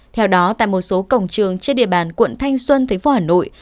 theo đó tại một số cổng trường trên địa bàn quận thanh xuân thành phố hà nội